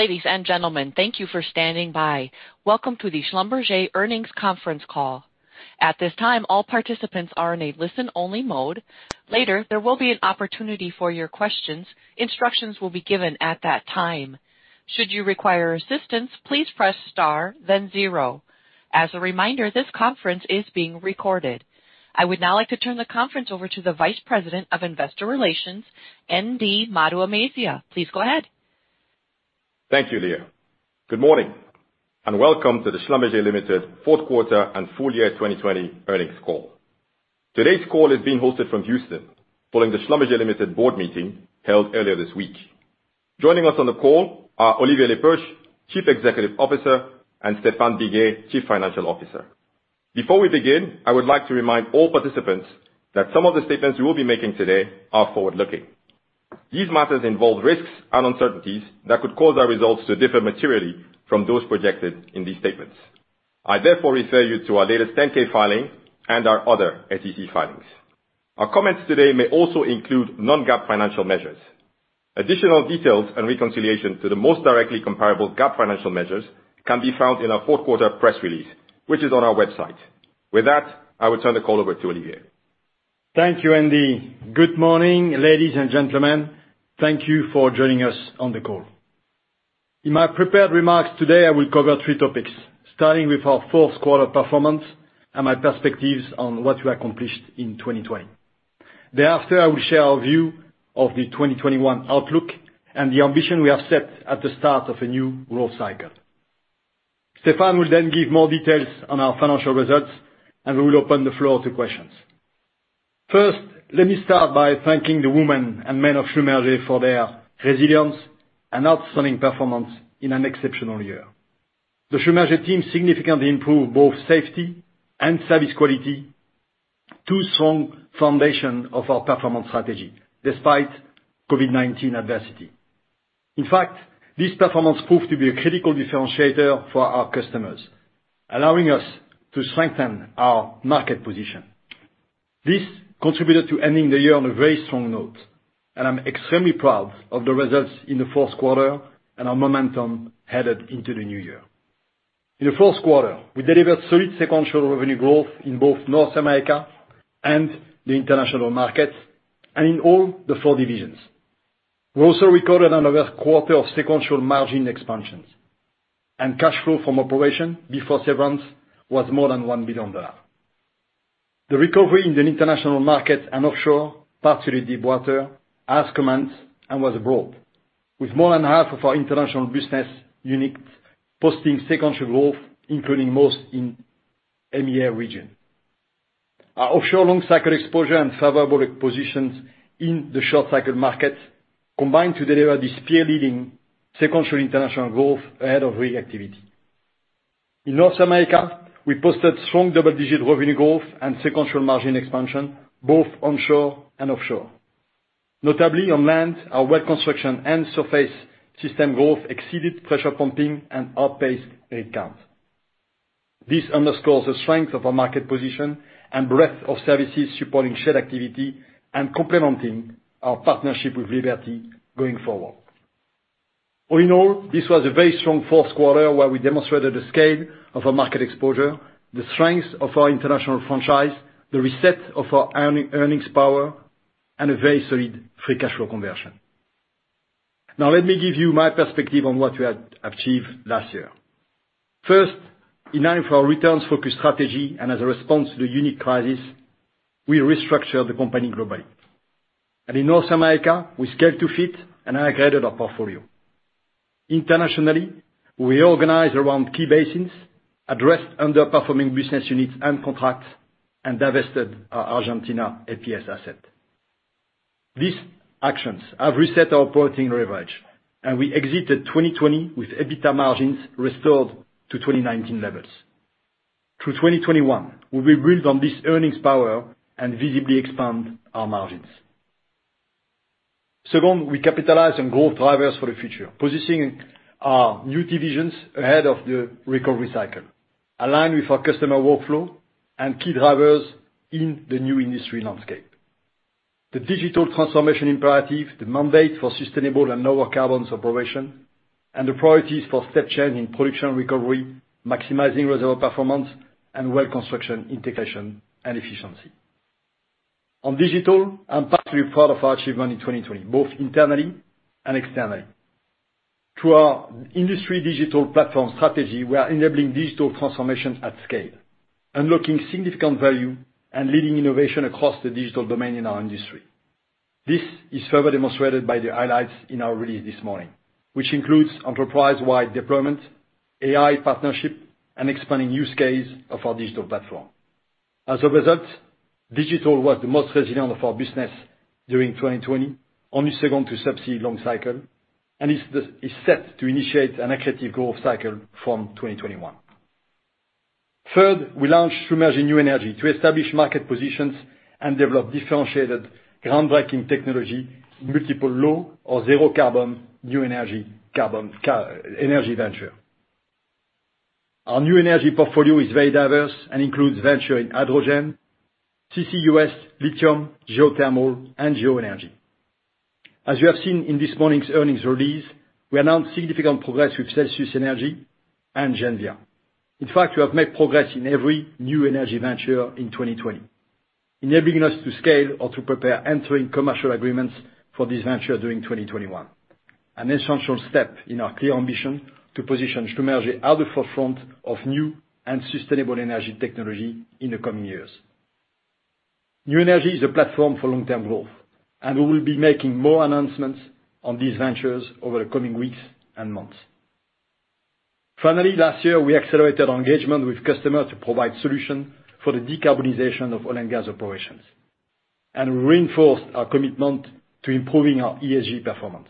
Ladies and gentlemen, thank you for standing by. Welcome to the Schlumberger Earnings Conference Call. At this time, all participants are in a listen-only mode. Later, there will be an opportunity for your questions. Instructions will be given at that time. Should you require assistance, please press star then zero. As a reminder, this conference is being recorded. I would now like to turn the conference over to the Vice President of Investor Relations, ND Maduemezia. Please go ahead. Thank you, Leah. Good morning, and welcome to the Schlumberger Limited Fourth Quarter and Full Year 2020 earnings call. Today's call is being hosted from Houston following the Schlumberger Limited board meeting held earlier this week. Joining us on the call are Olivier Le Peuch, Chief Executive Officer, and Stéphane Biguet, Chief Financial Officer. Before we begin, I would like to remind all participants that some of the statements we will be making today are forward-looking. These matters involve risks and uncertainties that could cause our results to differ materially from those projected in these statements. I therefore refer you to our latest 10-K filing and our other SEC filings. Our comments today may also include non-GAAP financial measures. Additional details and reconciliation to the most directly comparable GAAP financial measures can be found in our fourth quarter press release, which is on our website. With that, I will turn the call over to Olivier. Thank you, ND. Good morning, ladies and gentlemen. Thank you for joining us on the call. In my prepared remarks today, I will cover three topics, starting with our fourth quarter performance and my perspectives on what we accomplished in 2020. Thereafter, I will share our view of the 2021 outlook and the ambition we have set at the start of a new growth cycle. Stéphane will then give more details on our financial results, and we will open the floor to questions. First, let me start by thanking the women and men of Schlumberger for their resilience and outstanding performance in an exceptional year. The Schlumberger team significantly improved both safety and service quality, two strong foundation of our performance strategy despite COVID-19 adversity. In fact, this performance proved to be a critical differentiator for our customers, allowing us to strengthen our market position. This contributed to ending the year on a very strong note, and I'm extremely proud of the results in the fourth quarter and our momentum headed into the new year. In the fourth quarter, we delivered solid sequential revenue growth in both North America and the international markets and in all the four divisions. We also recorded another quarter of sequential margin expansions, and cash flow from operation before severance was more than $1 billion. The recovery in the international market and offshore, particularly deep water, has commenced and was broad, with more than half of our international business units posting sequential growth, including most in EMEA region. Our offshore long cycle exposure and favorable positions in the short cycle market combined to deliver this peer-leading sequential international growth ahead of rig activity. In North America, we posted strong double-digit revenue growth and sequential margin expansion, both onshore and offshore. Notably on land, our Well Construction and surface system growth exceeded pressure pumping and outpaced rig count. This underscores the strength of our market position and breadth of services supporting shared activity and complementing our partnership with Liberty going forward. All in all, this was a very strong fourth quarter where we demonstrated the scale of our market exposure, the strength of our international franchise, the reset of our earnings power, and a very solid free cash flow conversion. Now, let me give you my perspective on what we had achieved last year. First, in line with our returns-focused strategy and as a response to the unique crisis, we restructured the company globally. In North America, we scaled to fit and upgraded our portfolio. Internationally, we organized around key basins, addressed underperforming business units and contracts, and divested our Argentina FPS asset. These actions have reset our operating leverage, and we exited 2020 with EBITDA margins restored to 2019 levels. Through 2021, we will build on this earnings power and visibly expand our margins. Second, we capitalize on growth drivers for the future, positioning our new divisions ahead of the recovery cycle, aligned with our customer workflow and key drivers in the new industry landscape. The digital transformation imperative, the mandate for sustainable and lower carbon separation, and the priorities for step change in production recovery, maximizing Reservoir Performance, and Well Construction integration and efficiency. On digital, I'm particularly proud of our achievement in 2020, both internally and externally. Through our industry digital platform strategy, we are enabling digital transformation at scale, unlocking significant value, and leading innovation across the digital domain in our industry. This is further demonstrated by the highlights in our release this morning, which includes enterprise-wide deployment, AI partnership, and expanding use case of our digital platform. As a result, digital was the most resilient of our business during 2020, only second to subsea long cycle, and is set to initiate an attractive growth cycle from 2021. Third, we launched Schlumberger New Energy to establish market positions and develop differentiated ground-breaking technology in multiple low or zero-carbon new energy venture. Our new energy portfolio is very diverse and includes venture in hydrogen, CCUS, lithium, geothermal, and geoenergy. As you have seen in this morning's earnings release, we announced significant progress with Celsius Energy and Genvia. In fact, we have made progress in every new energy venture in 2020, enabling us to scale or to prepare entering commercial agreements for this venture during 2021, an essential step in our clear ambition to position Schlumberger at the forefront of new and sustainable energy technology in the coming years. New energy is a platform for long-term growth, and we will be making more announcements on these ventures over the coming weeks and months. Finally, last year, we accelerated our engagement with customers to provide solutions for the decarbonization of oil and gas operations, and reinforced our commitment to improving our ESG performance.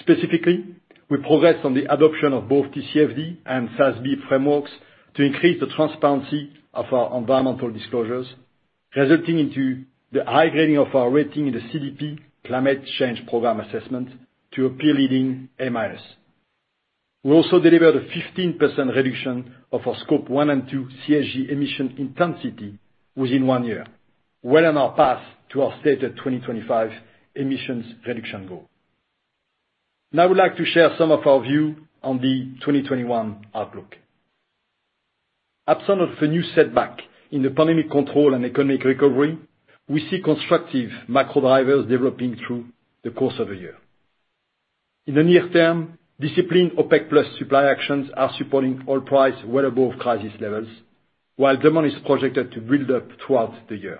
Specifically, we progressed on the adoption of both TCFD and SASB frameworks to increase the transparency of our environmental disclosures, resulting into the high grading of our rating in the CDP Climate Change Program assessment to a peer-leading A minus. We also delivered a 15% reduction of our Scope 1 and 2 GHG emission intensity within one year, well on our path to our stated 2025 emissions reduction goal. Now I would like to share some of our view on the 2021 outlook. Absent of a new setback in the pandemic control and economic recovery, we see constructive macro drivers developing through the course of the year. In the near term, disciplined OPEC Plus supply actions are supporting oil price well above crisis levels, while demand is projected to build up throughout the year.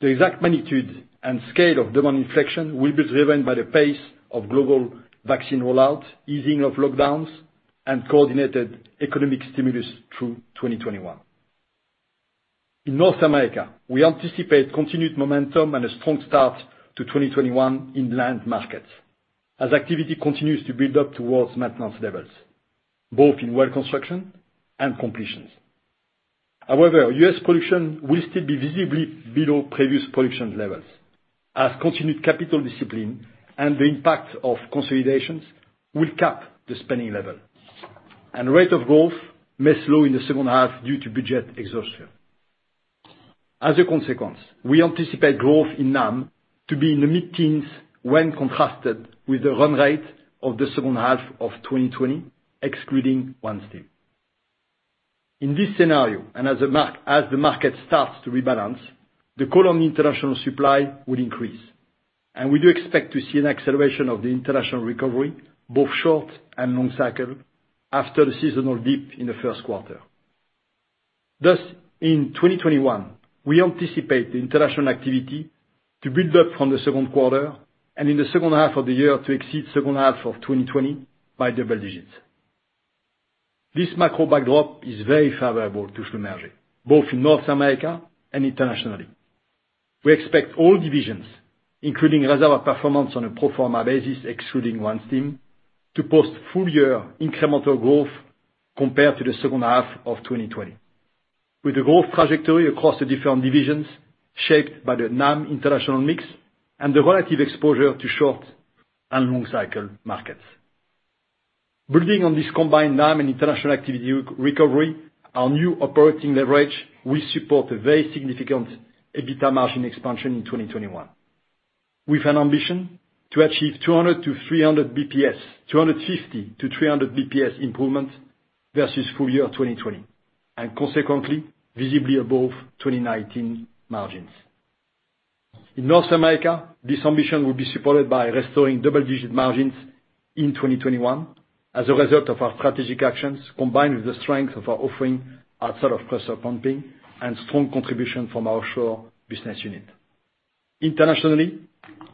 The exact magnitude and scale of demand inflection will be driven by the pace of global vaccine rollout, easing of lockdowns, and coordinated economic stimulus through 2021. In North America, we anticipate continued momentum and a strong start to 2021 in land markets as activity continues to build up towards maintenance levels, both in well construction and completions. U.S. production will still be visibly below previous production levels as continued capital discipline and the impact of consolidations will cap the spending level. Rate of growth may slow in the second half due to budget exhaustion. As a consequence, we anticipate growth in NAM to be in the mid-teens when contrasted with the run rate of the second half of 2020, excluding OneStim. In this scenario, and as the market starts to rebalance, the volume international supply will increase, and we do expect to see an acceleration of the international recovery, both short and long cycle, after the seasonal dip in the first quarter. In 2021, we anticipate the international activity to build up from the second quarter and in the second half of the year to exceed second half of 2020 by double digits. This macro backdrop is very favorable to Schlumberger, both in North America and internationally. We expect all divisions, including Reservoir Performance on a pro forma basis, excluding OneStim, to post full year incremental growth compared to the second half of 2020, with the growth trajectory across the different divisions shaped by the NAM international mix and the relative exposure to short and long cycle markets. Building on this combined NAM and international activity recovery, our new operating leverage will support a very significant EBITDA margin expansion in 2021, with an ambition to achieve 250-300 BPS improvement versus full year 2020, and consequently, visibly above 2019 margins. In North America, this ambition will be supported by restoring double-digit margins in 2021 as a result of our strategic actions, combined with the strength of our offering outside of pressure pumping and strong contribution from our offshore business unit. Internationally,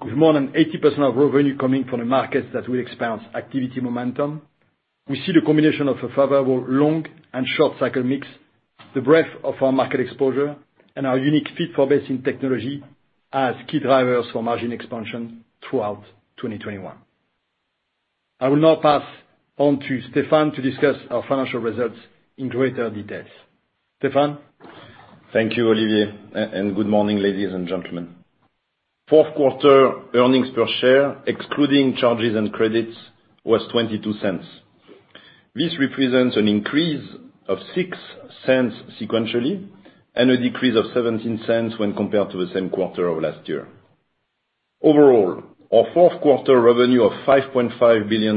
with more than 80% of revenue coming from the markets that will experience activity momentum, we see the combination of a favorable long and short cycle mix, the breadth of our market exposure, and our unique fit-for-basin technology as key drivers for margin expansion throughout 2021. I will now pass on to Stéphane to discuss our financial results in greater detail. Stéphane? Thank you, Olivier, and good morning, ladies and gentlemen. Fourth quarter earnings per share, excluding charges and credits, was $0.22. This represents an increase of $0.06 sequentially and a decrease of $0.17 when compared to the same quarter of last year. Overall, our fourth quarter revenue of $5.5 billion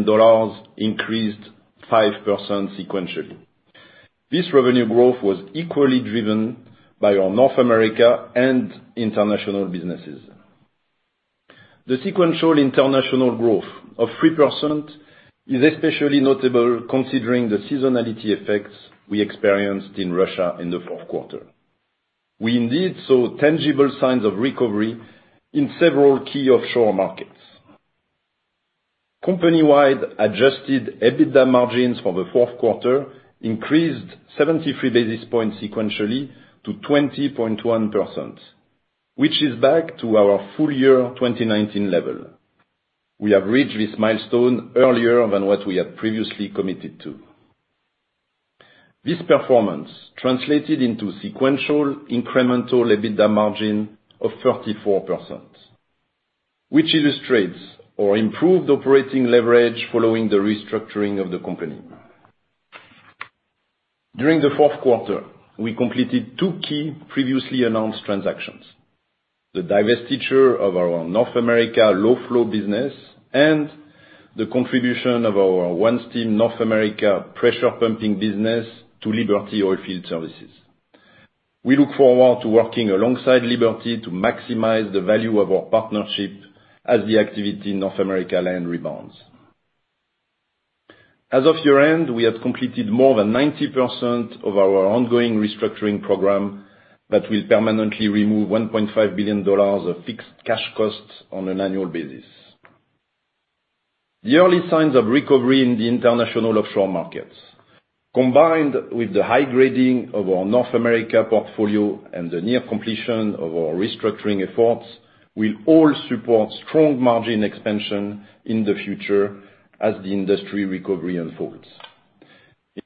increased 5% sequentially. This revenue growth was equally driven by our North America and international businesses. The sequential international growth of 3% is especially notable considering the seasonality effects we experienced in Russia in the fourth quarter. We indeed saw tangible signs of recovery in several key offshore markets. Company-wide adjusted EBITDA margins for the fourth quarter increased 73 basis points sequentially to 20.1%, which is back to our full year 2019 level. We have reached this milestone earlier than what we had previously committed to. This performance translated into sequential incremental EBITDA margin of 34%. Which illustrates our improved operating leverage following the restructuring of the company. During the fourth quarter, we completed two key previously announced transactions, the divestiture of our North America low-flow business and the contribution of our OneStim North America pressure pumping business to Liberty Oilfield Services. We look forward to working alongside Liberty to maximize the value of our partnership as the activity in North America land rebounds. As of year-end, we have completed more than 90% of our ongoing restructuring program that will permanently remove $1.5 billion of fixed cash costs on an annual basis. The early signs of recovery in the international offshore markets, combined with the high grading of our North America portfolio and the near completion of our restructuring efforts, will all support strong margin expansion in the future as the industry recovery unfolds.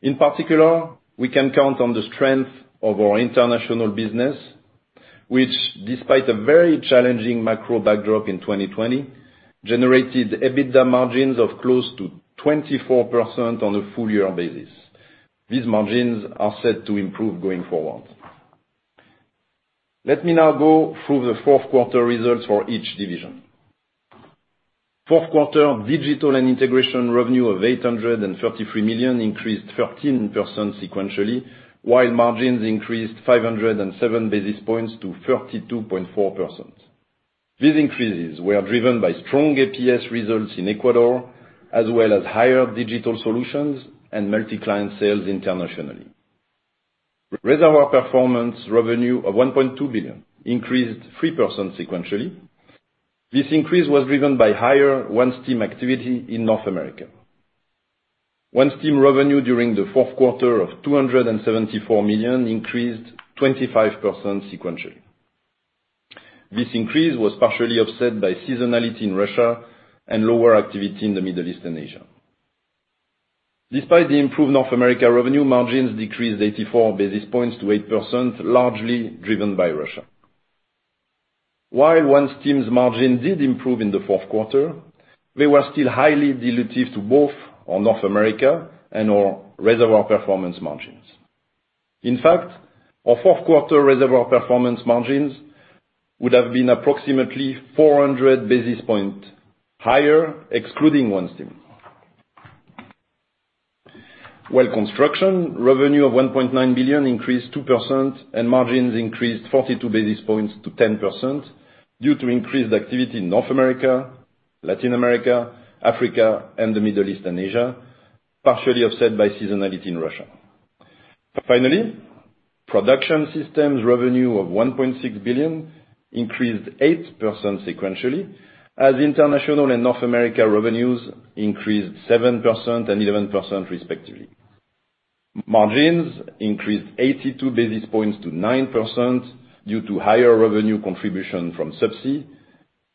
In particular, we can count on the strength of our international business, which, despite a very challenging macro backdrop in 2020, generated EBITDA margins of close to 24% on a full year basis. These margins are set to improve going forward. Let me now go through the fourth quarter results for each division. Fourth quarter Digital & Integration revenue of $833 million increased 13% sequentially, while margins increased 507 basis points to 32.4%. These increases were driven by strong APS results in Ecuador, as well as higher digital solutions and multi-client sales internationally. Reservoir Performance revenue of $1.2 billion increased 3% sequentially. This increase was driven by higher OneStim activity in North America. OneStim revenue during the fourth quarter of $274 million increased 25% sequentially. This increase was partially offset by seasonality in Russia and lower activity in the Middle East and Asia. Despite the improved North America revenue, margins decreased 84 basis points to 8%, largely driven by Russia. While OneStim's margin did improve in the fourth quarter, they were still highly dilutive to both our North America and our Reservoir Performance margins. In fact, our fourth quarter Reservoir Performance margins would have been approximately 400 basis points higher, excluding OneStim. Well Construction revenue of $1.9 billion increased 2%, and margins increased 42 basis points to 10%, due to increased activity in North America, Latin America, Africa, and the Middle East and Asia, partially offset by seasonality in Russia. Finally, Production Systems revenue of $1.6 billion increased 8% sequentially, as international and North America revenues increased 7% and 11% respectively. Margins increased 82 basis points to 9% due to higher revenue contribution from subsea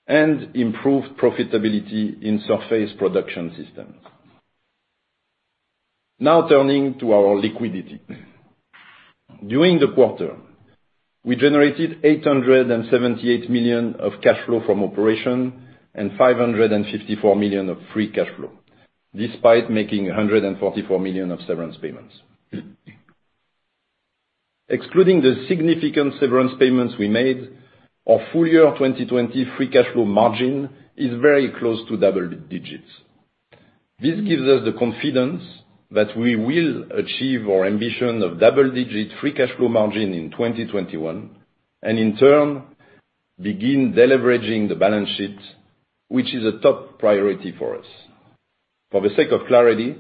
and improved profitability in surface Production Systems. Now turning to our liquidity. During the quarter, we generated $878 million of cash flow from operation and $554 million of free cash flow, despite making $144 million of severance payments. Excluding the significant severance payments we made, our full year 2020 free cash flow margin is very close to double digits. This gives us the confidence that we will achieve our ambition of double-digit free cash flow margin in 2021, in turn, begin deleveraging the balance sheet, which is a top priority for us. For the sake of clarity,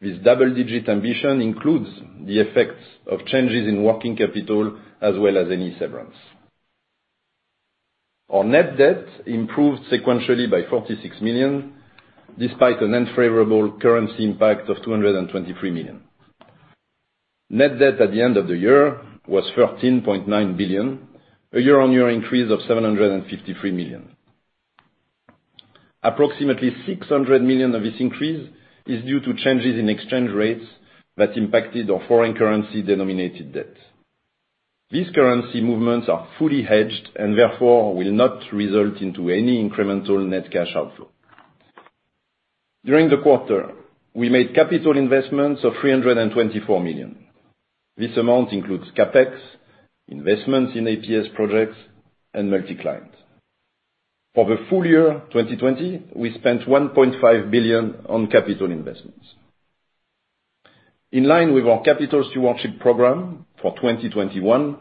this double-digit ambition includes the effects of changes in working capital as well as any severance. Our net debt improved sequentially by $46 million, despite an unfavorable currency impact of $223 million. Net debt at the end of the year was $13.9 billion, a year-on-year increase of $753 million. Approximately $600 million of this increase is due to changes in exchange rates that impacted our foreign currency denominated debt. These currency movements are fully hedged and therefore will not result into any incremental net cash outflow. During the quarter, we made capital investments of $324 million. This amount includes CapEx, investments in APS projects, and multi-client. For the full year 2020, we spent $1.5 billion on capital investments. In line with our capital stewardship program for 2021,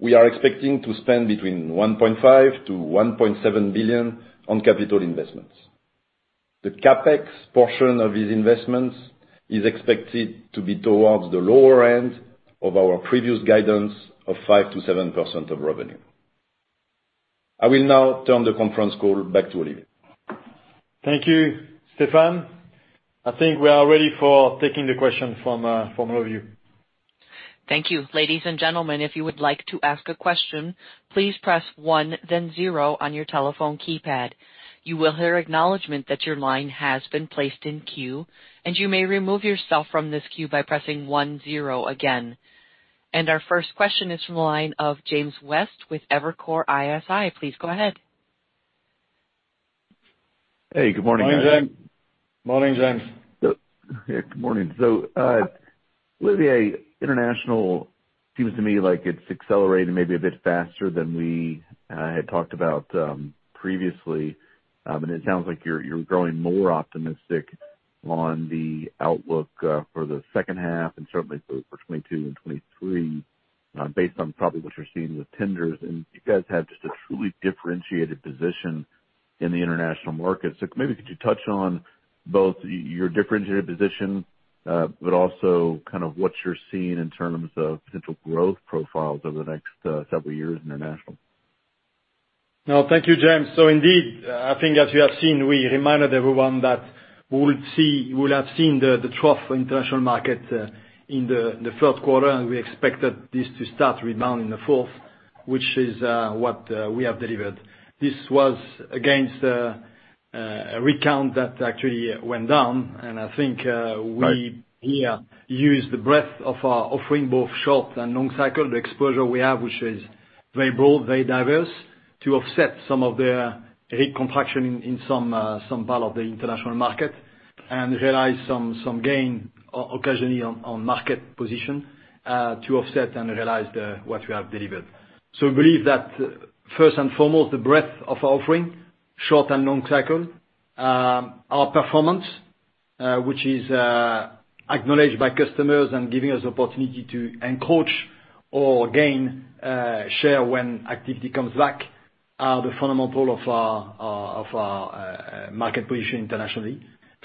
we are expecting to spend between $1.5 billion-$1.7 billion on capital investments. The CapEx portion of these investments is expected to be towards the lower end of our previous guidance of 5%-7% of revenue. I will now turn the conference call back to Olivier. Thank you, Stéphane. I think we are ready for taking the question from all of you. Thank you. Ladies and gentlemen, if you would like to ask a question, please press one then zero on your telephone keypad. You will hear acknowledgement that your line has been placed in queue, you may remove yourself from this queue by pressing one, zero again. Our first question is from the line of James West with Evercore ISI. Please go ahead. Hey, good morning, guys. Morning, James. Yeah, good morning. Olivier, international seems to me like it's accelerating maybe a bit faster than we had talked about previously. It sounds like you're growing more optimistic on the outlook for the second half and certainly for 2022 and 2023, based on probably what you're seeing with tenders. You guys have just a truly differentiated position in the international market. Maybe could you touch on both your differentiated position, but also kind of what you're seeing in terms of potential growth profiles over the next several years international? No, thank you, James. Indeed, I think as you have seen, we reminded everyone that we would have seen the trough international market in the third quarter, and we expected this to start rebound in the fourth, which is what we have delivered. This was against a rig count that actually went down. I think we here used the breadth of our offering, both short and long cycle, the exposure we have, which is very broad, very diverse, to offset some of the rate contraction in some part of the international market. Realize some gain occasionally on market position, to offset and realize what we have delivered. We believe that first and foremost, the breadth of our offering, short and long cycle, our performance, which is acknowledged by customers and giving us opportunity to encroach or gain share when activity comes back, are the fundamentals of our market position internationally.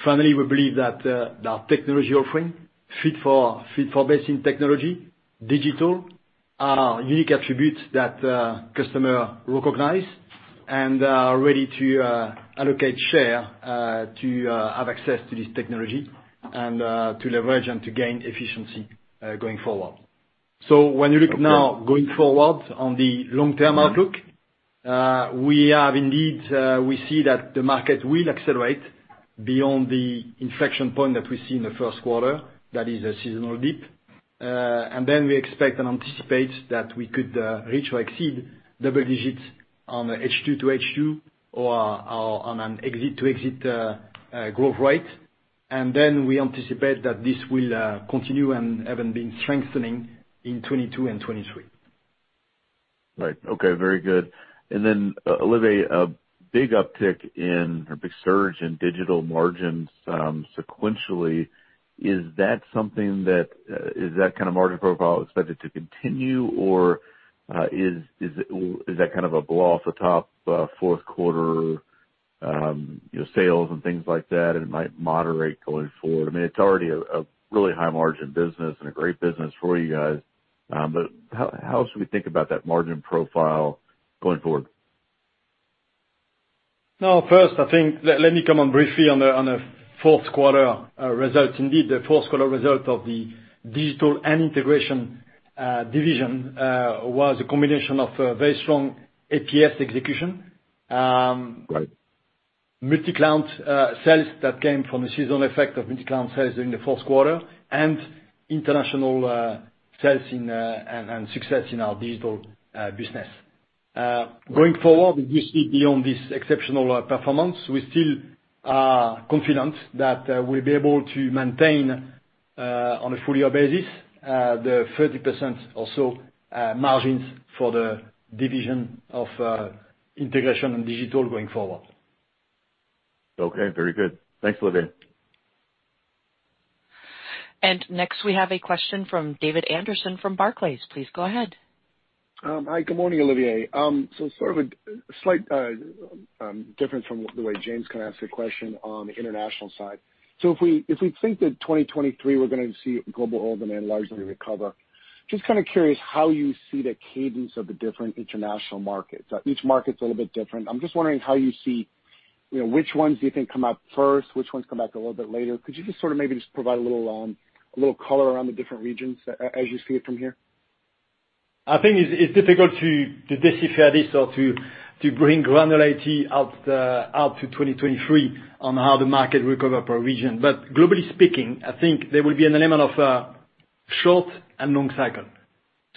We believe that our technology offering, fit-for-basin technology, digital, are unique attributes that customers recognize and are ready to allocate share to have access to this technology and to leverage and to gain efficiency going forward. When you look now going forward on the long-term outlook, we see that the market will accelerate beyond the inflection point that we see in the first quarter, that is a seasonal dip. We expect and anticipate that we could reach or exceed double digits on an H2-to-H2 or on an exit-to-exit growth rate. We anticipate that this will continue and even been strengthening in 2022 and 2023. Right. Okay, very good. Olivier, a big uptick in, or big surge in digital margins sequentially. Is that kind of margin profile expected to continue, or is that kind of a blow off the top fourth quarter sales and things like that, and it might moderate going forward? I mean, it's already a really high margin business and a great business for you guys. How else should we think about that margin profile going forward? First, I think, let me comment briefly on the fourth quarter result. The fourth quarter result of the Digital & Integration division was a combination of a very strong APS execution. Right. Multi-client sales that came from the seasonal effect of multi-client sales during the fourth quarter, and international sales and success in our digital business. Going forward, we see beyond this exceptional performance. We still are confident that we'll be able to maintain, on a full year basis, the 30% or so margins for the division of Integration and Digital going forward. Okay, very good. Thanks, Olivier. Next we have a question from David Anderson from Barclays. Please go ahead. Hi, good morning, Olivier. Sort of a slight difference from the way James kind of asked the question on the international side. If we think that 2023, we're gonna see global oil demand largely recover, just kind of curious how you see the cadence of the different international markets. Each market's a little bit different. I'm just wondering which ones do you think come up first, which ones come back a little bit later. Could you just sort of maybe just provide a little color around the different regions as you see it from here? I think it's difficult to decipher this or to bring granularity out to 2023 on how the market recover per region. Globally speaking, I think there will be an element of short and long cycle.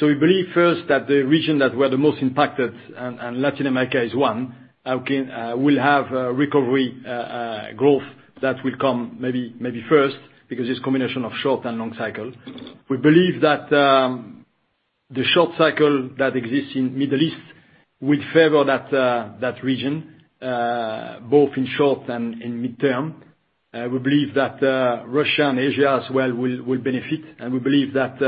We believe first that the region that were the most impacted, and Latin America is one, will have recovery growth that will come maybe first, because it's a combination of short and long cycle. We believe that the short cycle that exists in Middle East will favor that region, both in short and in mid-term. We believe that Russia and Asia as well will benefit. We believe that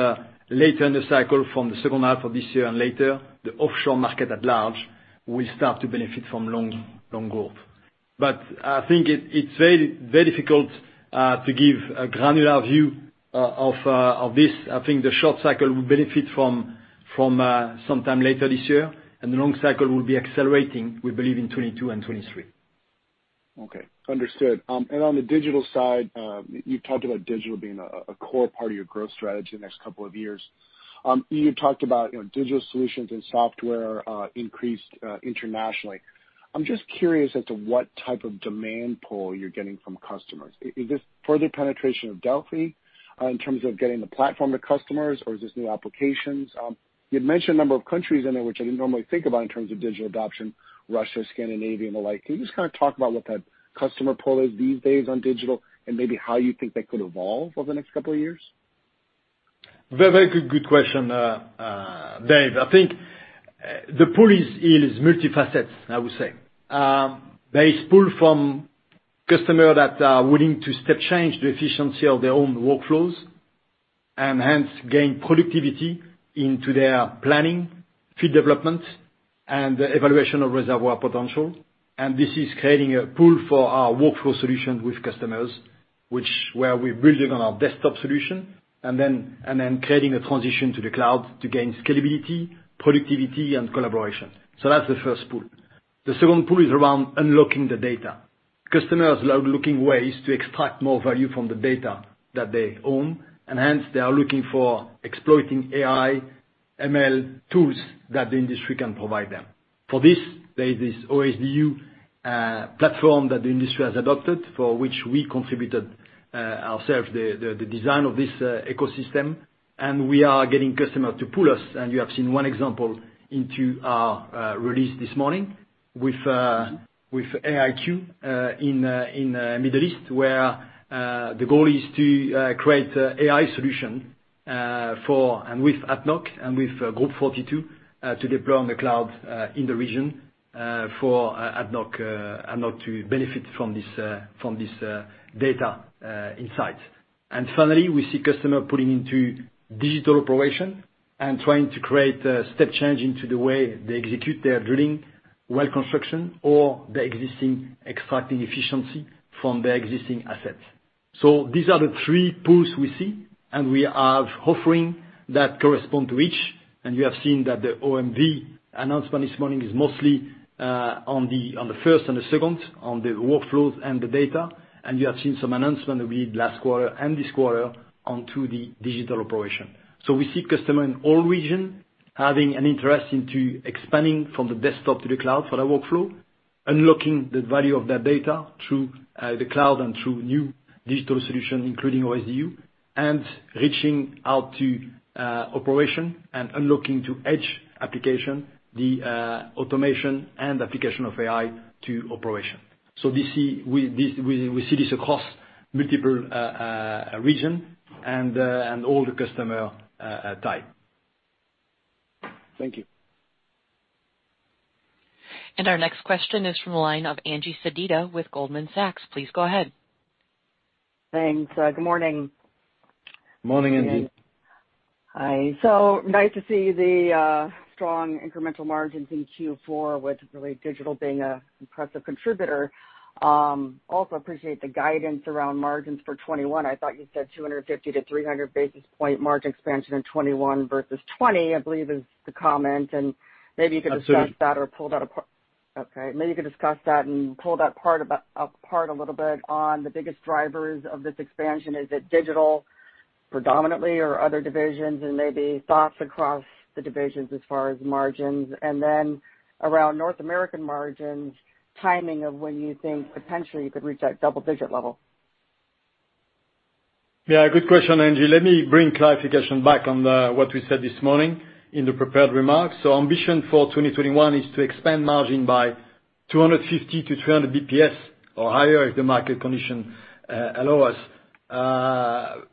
later in the cycle from the second half of this year and later, the offshore market at large will start to benefit from long growth. I think it's very difficult to give a granular view of this. I think the short cycle will benefit from sometime later this year, and the long cycle will be accelerating, we believe in 2022 and 2023. Okay. Understood. On the digital side, you've talked about digital being a core part of your growth strategy the next couple of years. You talked about digital solutions and software increased internationally. I'm just curious as to what type of demand pull you're getting from customers. Is this further penetration of DELFI in terms of getting the platform to customers or is this new applications? You'd mentioned a number of countries in there which I didn't normally think about in terms of digital adoption, Russia, Scandinavia, and the like. Can you just kind of talk about what that customer pull is these days on digital and maybe how you think that could evolve over the next couple of years? Very good question, Dave. I think the pull is multifaceted, I would say. There is pull from customer that are willing to step change the efficiency of their own workflows and hence gain productivity into their planning, field development, and the evaluation of reservoir potential. This is creating a pull for our workflow solution with customers, which where we're building on our desktop solution and then creating a transition to the cloud to gain scalability, productivity, and collaboration. That's the first pull. The second pull is around unlocking the data. Customers are looking ways to extract more value from the data that they own, and hence they are looking for exploiting AI, ML tools that the industry can provide them. For this, there is this OSDU platform that the industry has adopted for which we contributed ourselves the design of this ecosystem. We are getting customer to pull us, and you have seen one example into our release this morning with AIQ in Middle East where the goal is to create AI solution for and with ADNOC and with Group 42 to deploy on the cloud in the region for ADNOC to benefit from this data insight. Finally, we see customer pulling into digital operation and trying to create a step change into the way they execute their drilling, Well Construction, or the existing extracting efficiency from their existing assets. These are the three pulls we see, and we are offering that correspond to each. You have seen that the OMV announcement this morning is mostly on the first and the second on the workflows and the data. You have seen some announcement we did last quarter and this quarter onto the digital operation. We see customer in all region having an interest into expanding from the desktop to the cloud for our workflow, unlocking the value of that data through the cloud and through new digital solution, including OSDU, and reaching out to operation and unlocking to edge application, the automation and application of AI to operation. We see this across multiple region and all the customer type. Thank you. Our next question is from the line of Angie Sedita with Goldman Sachs. Please go ahead. Thanks. Good morning. Morning, Angie. Nice to see the strong incremental margins in Q4 with really Digital being an impressive contributor. Appreciate the guidance around margins for 2021. I thought you said 250-300 basis points margin expansion in 2021 versus 2020, I believe is the comment. Maybe you could discuss that or pull that apart. Maybe you could discuss that and pull that part apart a little bit on the biggest drivers of this expansion. Is it Digital predominantly or other divisions? Maybe thoughts across the divisions as far as margins. Around North American margins, timing of when you think potentially you could reach that double-digit level. Yeah, good question, Angie. Let me bring clarification back on what we said this morning in the prepared remarks. Ambition for 2021 is to expand margin by 250-300 BPS or higher if the market condition allow us,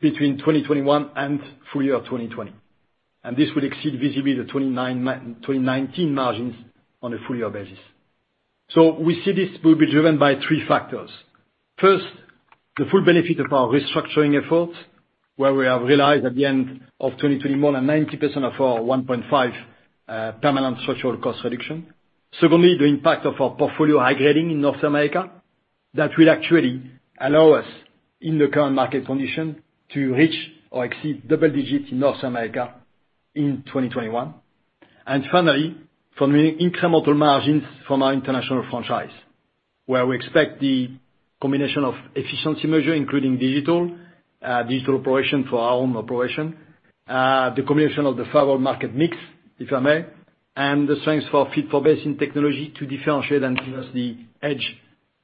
between 2021 and full year of 2020. This will exceed visibly the 2019 margins on a full year basis. We see this will be driven by three factors. First, the full benefit of our restructuring efforts, where we have realized at the end of 2020, more than 90% of our 1.5 permanent structural cost reduction. Secondly, the impact of our portfolio high grading in North America that will actually allow us, in the current market condition, to reach or exceed double digits in North America in 2021. Finally, from the incremental margins from our international franchise, where we expect the combination of efficiency measure, including digital operation for our own operation, the combination of the favorable market mix, if I may, and the strengths for fit for basin technology to differentiate and give us the edge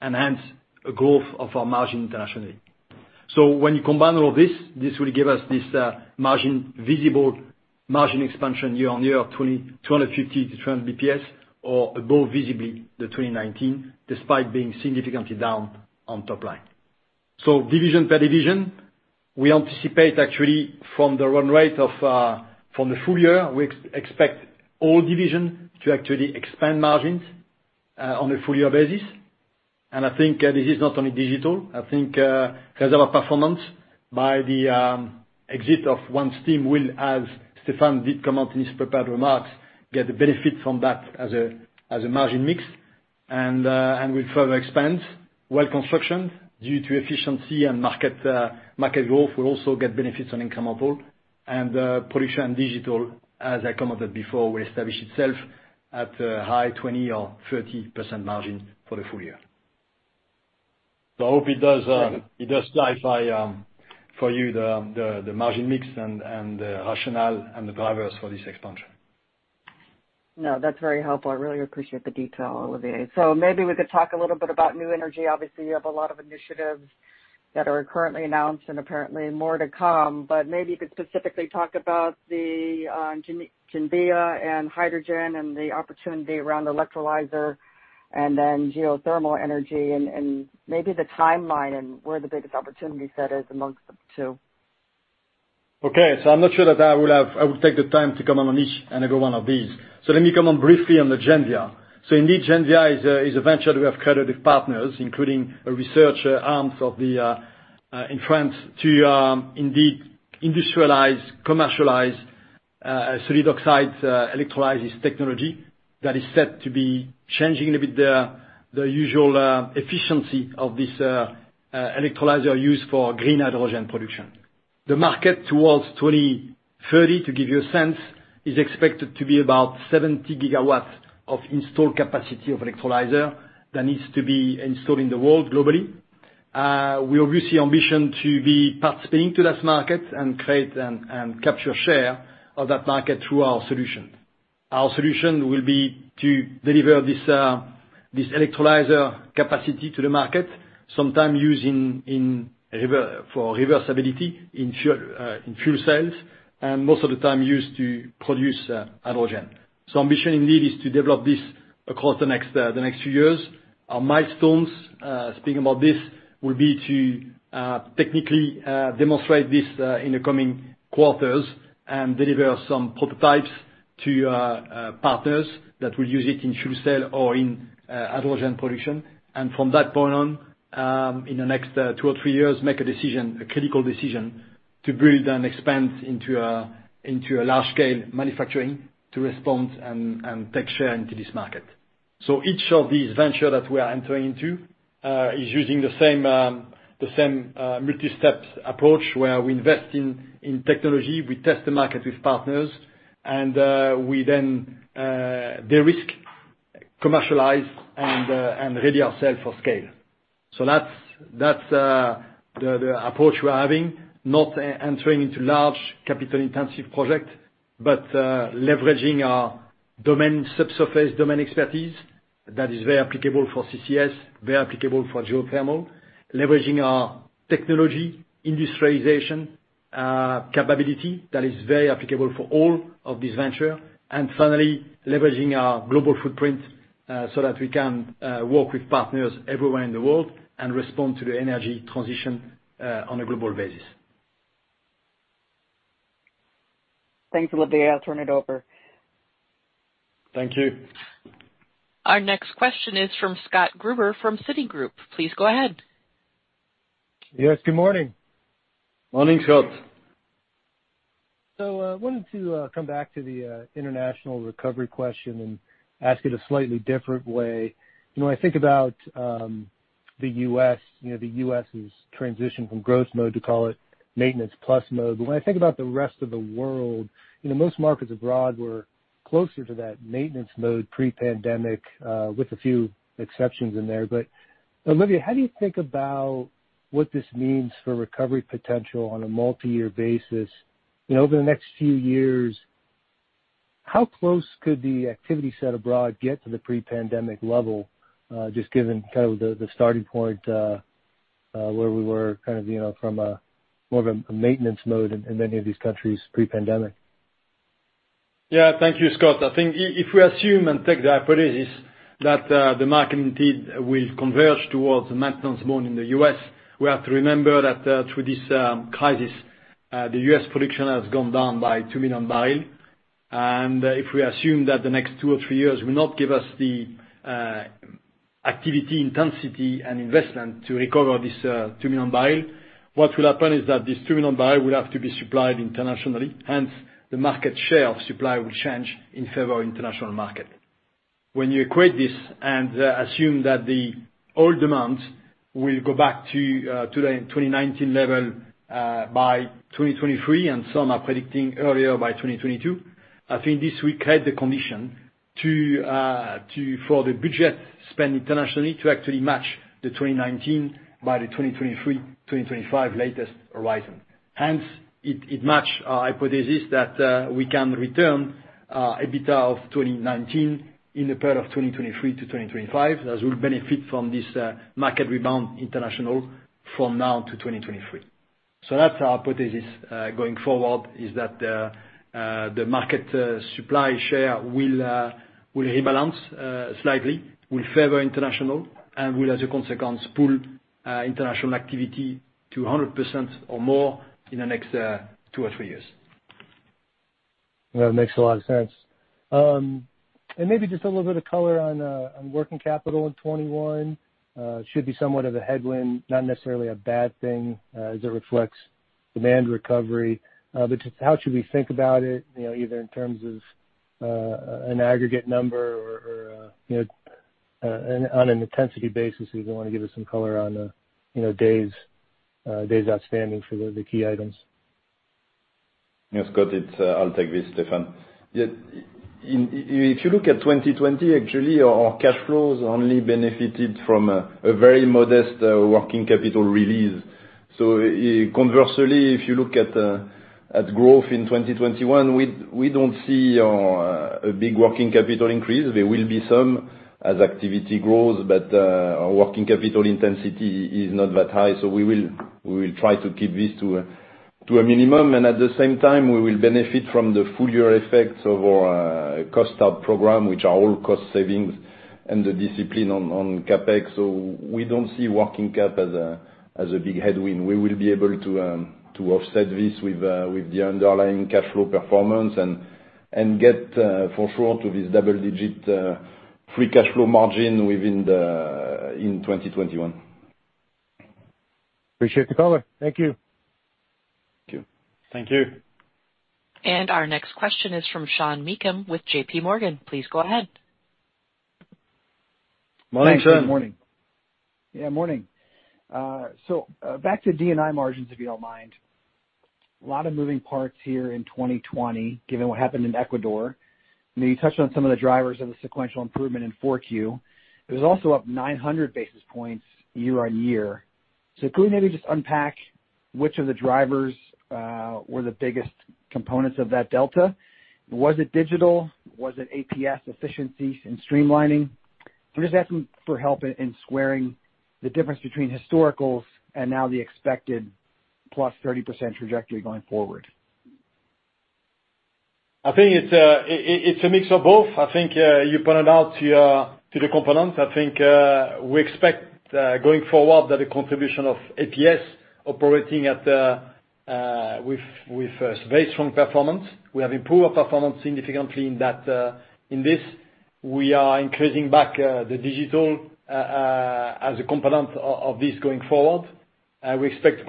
enhance a growth of our margin internationally. When you combine all this will give us this margin, visible margin expansion year-on-year, 250-300 BPS or above visibly the 2019, despite being significantly down on top line. Division per division, we anticipate actually from the run rate of, from the full year, we expect all division to actually expand margins on a full year basis. I think this is not only digital, I think Reservoir Performance by the exit of OneStim will, as Stéphane did comment in his prepared remarks, get the benefit from that as a margin mix and will further expand. Well Construction, due to efficiency and market growth, we also get benefits on income uplift. Production digital, as I commented before, will establish itself at a high 20% or 30% margin for the full year. I hope it does justify for you the margin mix and the rationale and the drivers for this expansion. No, that's very helpful. I really appreciate the detail, Olivier. Maybe we could talk a little bit about new energy. Obviously, you have a lot of initiatives that are currently announced and apparently more to come, but maybe you could specifically talk about the Genvia and hydrogen and the opportunity around electrolyzer, and then geothermal energy and maybe the timeline and where the biggest opportunity set is amongst the two. I'm not sure that I will take the time to comment on each and every one of these. Let me comment briefly on the Genvia. Indeed, Genvia is a venture that we have created with partners, including research arms in France to indeed industrialize, commercialize solid oxide electrolysis technology that is set to be changing a bit the usual efficiency of this electrolyzer used for green hydrogen production. The market towards 2030, to give you a sense, is expected to be about 70 gigawatts of installed capacity of electrolyzer that needs to be installed in the world globally. We obviously ambition to be participating to that market and create and capture share of that market through our solution. Our solution will be to deliver this electrolyzer capacity to the market, sometime for reversibility in fuel cells, and most of the time used to produce hydrogen. Ambition indeed is to develop this across the next few years. Our milestones, speaking about this, will be to technically demonstrate this in the coming quarters and deliver some prototypes to partners that will use it in fuel cell or in hydrogen production. From that point on, in the next two or three years, make a decision, a critical decision to build and expand into a large-scale manufacturing to respond and take share into this market. Each of these venture that we are entering into, is using the same multi-step approach where we invest in technology, we test the market with partners, and we then de-risk, commercialize, and ready ourselves for scale. That's the approach we're having. Not entering into large capital-intensive project, but leveraging our domain, subsurface domain expertise that is very applicable for CCS, very applicable for geothermal. Leveraging our technology industrialization capability that is very applicable for all of this venture. Finally, leveraging our global footprint, so that we can work with partners everywhere in the world and respond to the energy transition on a global basis. Thanks, Olivier. I'll turn it over. Thank you. Our next question is from Scott Gruber from Citigroup. Please go ahead. Yes, good morning. Morning, Scott. Wanted to come back to the international recovery question and ask it a slightly different way. When I think about the U.S., the U.S.'s transition from growth mode to, call it, maintenance plus mode. When I think about the rest of the world, most markets abroad were closer to that maintenance mode pre-pandemic, with a few exceptions in there. Olivier, how do you think about what this means for recovery potential on a multi-year basis? Over the next few years, how close could the activity set abroad get to the pre-pandemic level, just given kind of the starting point, where we were kind of from a more of a maintenance mode in many of these countries pre-pandemic? Yeah. Thank you, Scott. I think if we assume and take the hypothesis that the market indeed will converge towards the maintenance mode in the U.S., we have to remember that through this crisis, the U.S. production has gone down by 2 million bbl. If we assume that the next two or three years will not give us the activity intensity and investment to recover this 2 million bbl, what will happen is that this 2 million bbl will have to be supplied internationally, hence the market share of supply will change in favor of international market. When you equate this and assume that the oil demands will go back to the 2019 level by 2023, and some are predicting earlier by 2022, I think this will create the condition for the budget spent internationally to actually match the 2019 by the 2023, 2025 latest horizon. Hence, it match our hypothesis that we can return EBITDA of 2019 in the period of 2023-2025, as we'll benefit from this market rebound international from now to 2023. That's our hypothesis, going forward, is that the market supply share will rebalance slightly, will favor international, and will, as a consequence, pull international activity to 100% or more in the next two or three years. That makes a lot of sense. Maybe just a little bit of color on working capital in 2021. Should be somewhat of a headwind, not necessarily a bad thing, as it reflects demand recovery. Just how should we think about it, either in terms of an aggregate number or on an intensity basis, if you want to give us some color on days outstanding for the key items. Yes, Scott, I'll take this, this is Stéphane. If you look at 2020, actually, our cash flows only benefited from a very modest working capital release. Conversely, if you look at growth in 2021, we don't see a big working capital increase. There will be some as activity grows, but our working capital intensity is not that high. We will try to keep this to a minimum, and at the same time, we will benefit from the full year effects of our cost out program, which are all cost savings and the discipline on CapEx. We don't see working cap as a big headwind. We will be able to offset this with the underlying cash flow performance and get, for sure, to this double-digit free cash flow margin within 2021. Appreciate the color. Thank you. Thank you. Thank you. Our next question is from Sean Meakim with JPMorgan. Please go ahead. Morning, Sean. Thanks. Good morning. Morning. Back to D&I margins, if you don't mind. A lot of moving parts here in 2020, given what happened in Ecuador. You touched on some of the drivers of the sequential improvement in 4Q. It was also up 900 basis points year-on-year. Could we maybe just unpack which of the drivers were the biggest components of that delta? Was it digital? Was it APS efficiency and streamlining? I'm just asking for help in squaring the difference between historicals and now the expected plus 30% trajectory going forward. I think it's a mix of both. I think you pointed out to the components. I think we expect, going forward, that the contribution of APS operating with very strong performance. We have improved performance significantly in this. We are increasing back the Digital as a component of this going forward. We expect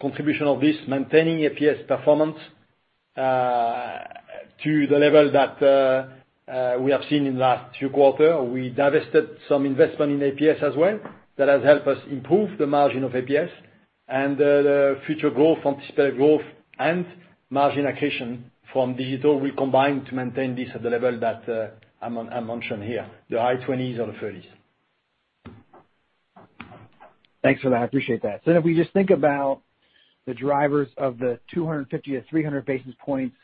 contribution of this maintaining APS performance to the level that we have seen in last two quarter. We divested some investment in APS as well. That has helped us improve the margin of APS and the future growth, anticipated growth, and margin accretion from Digital will combine to maintain this at the level that I mentioned here, the high 20s or 30s. Thanks for that. I appreciate that. If we just think about the drivers of the 250-300 basis points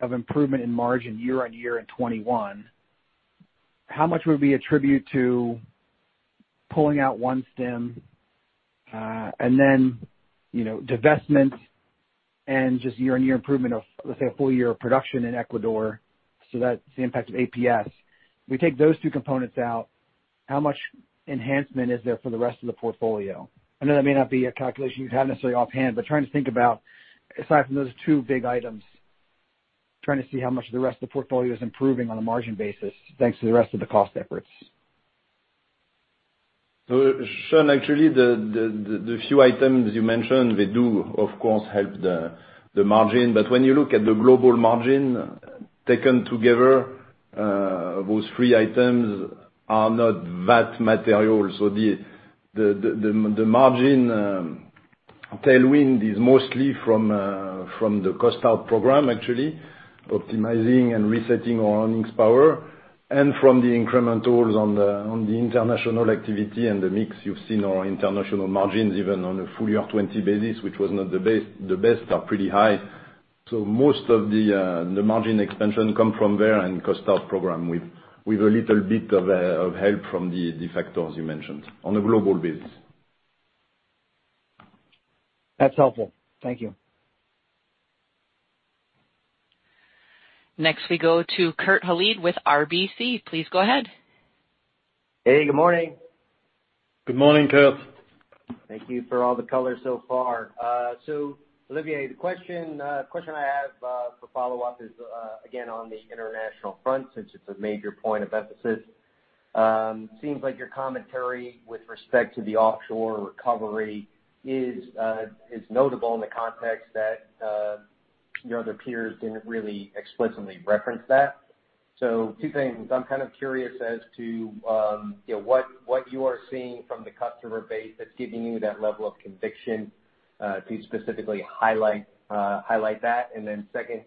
of improvement in margin year-on-year in 2021, how much would we attribute to pulling out OneStim, and then divestment and just year-on-year improvement of, let's say, a full year of production in Ecuador, so that's the impact of APS. We take those two components out, how much enhancement is there for the rest of the portfolio? I know that may not be a calculation you have necessarily offhand, but trying to think about, aside from those two big items, trying to see how much the rest of the portfolio is improving on a margin basis thanks to the rest of the cost efforts. Sean, actually, the few items you mentioned, they do of course help the margin. When you look at the global margin taken together, those three items are not that material. The margin tailwind is mostly from the cost out program, actually, optimizing and resetting our earnings power. From the incrementals on the international activity and the mix, you've seen our international margins, even on a full year 2020 basis, which was not the best, are pretty high. Most of the margin expansion come from there and cost out program, with a little bit of help from the factors you mentioned on a global basis. That's helpful. Thank you. Next we go to Kurt Hallead with RBC. Please go ahead. Hey, good morning. Good morning, Kurt. Thank you for all the color so far. Olivier, the question I have for follow-up is, again, on the international front, since it's a major point of emphasis. Seems like your commentary with respect to the offshore recovery is notable in the context that your other peers didn't really explicitly reference that. Two things. I'm kind of curious as to what you are seeing from the customer base that's giving you that level of conviction to specifically highlight that. Then second,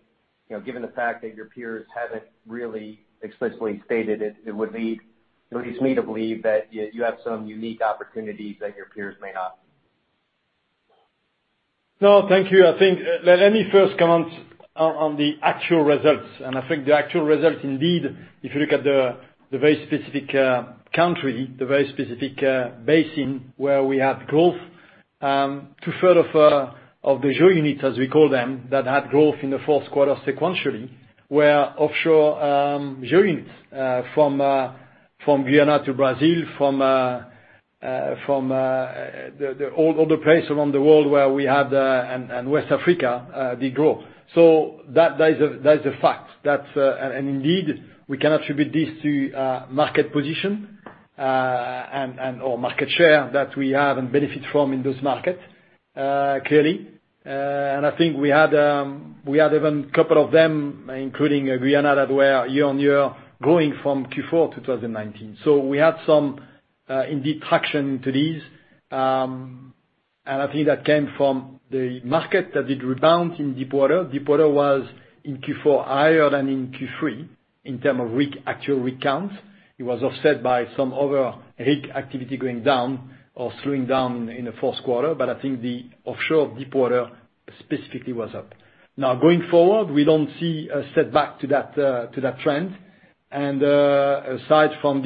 given the fact that your peers haven't really explicitly stated it leads me to believe that you have some unique opportunities that your peers may not. No, thank you. Let me first comment on the actual results. I think the actual results, indeed, if you look at the very specific country, the very specific basin where we had growth, two-third of the GeoUnits, as we call them, that had growth in the fourth quarter sequentially, were offshore GeoUnits from Guyana to Brazil, from all the places around the world where we have and West Africa, they grow. That's a fact. Indeed, we can attribute this to market position Market share that we have and benefit from in those markets, clearly. I think we had even couple of them, including Guyana, that were year-on-year growing from Q4 2019. We had some indeed traction into these. I think that came from the market that did rebound in deepwater. Deepwater was, in Q4, higher than in Q3 in terms of rig, actual rig count. It was offset by some other rig activity going down or slowing down in the fourth quarter. I think the offshore of deepwater specifically was up. Now going forward, we don't see a setback to that trend. Aside from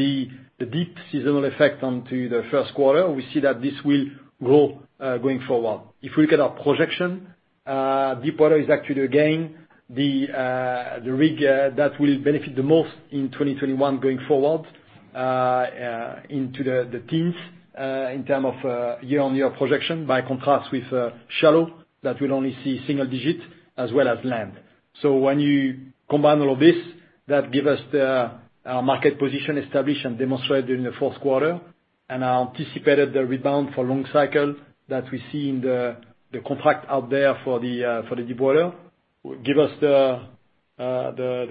the deep seasonal effect onto the first quarter, we see that this will grow going forward. If we look at our projection, deepwater is actually the gain, the rig that will benefit the most in 2021 going forward into the teens, in terms of year-on-year projection, by contrast with shallow, that will only see single digit, as well as land. When you combine all of this, that give us our market position established and demonstrated in the fourth quarter, and I anticipated the rebound for long cycle that we see in the contract out there for the deepwater, give us the